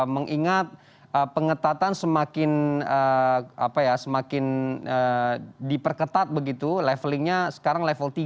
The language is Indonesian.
mengingat pengetatan semakin diperketat begitu levelingnya sekarang level tiga